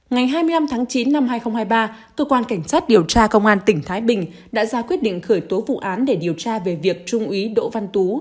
ngày hai mươi năm tháng chín năm hai nghìn hai mươi ba cơ quan cảnh sát điều tra công an tỉnh thái bình đã ra quyết định khởi tố vụ án để điều tra về việc trung úy đỗ văn tú